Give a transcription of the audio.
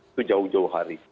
itu jauh jauh hari